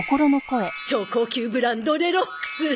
超高級ブランドレロックス！